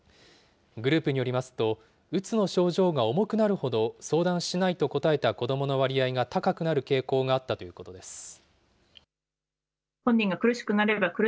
グループによりますと、うつの症状が重くなるほど相談しないと答えた子どもの割合が高くなる傾向があったということです。